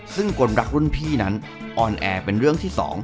ซึ่งคนรักรุ่นพี่นั้นออนแอร์เป็นเรื่องที่๒